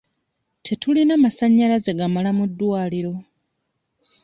Tetulina masanyalaze gamala ku ddwaliro.